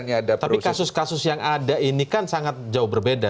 tapi kasus kasus yang ada ini kan sangat jauh berbeda